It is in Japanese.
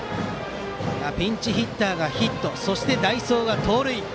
ピンチヒッターがヒットそして代走が盗塁。